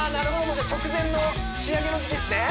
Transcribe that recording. じゃあ直前の仕上げの時期ですね